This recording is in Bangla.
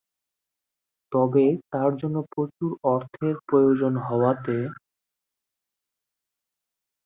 তবে তার জন্য প্রচুর অর্থের প্রয়োজন হওয়াতে।